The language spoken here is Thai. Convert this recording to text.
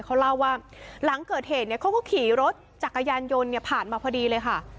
เขาเล่าว่าหลังเกิดเหตุเขาก็ขี่รถจักรยานยนต์ผ่านมาพอดีเลยค่ะ